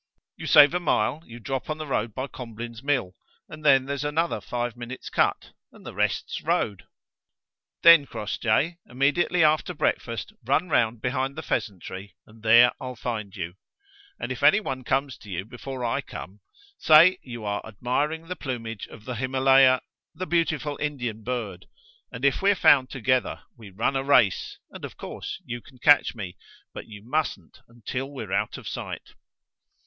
"You save a mile; you drop on the road by Combline's mill, and then there's another five minutes' cut, and the rest's road." "Then, Crossjay, immediately after breakfast run round behind the pheasantry, and there I'll find you. And if any one comes to you before I come, say you are admiring the plumage of the Himalaya the beautiful Indian bird; and if we're found together, we run a race, and of course you can catch me, but you mustn't until we're out of sight.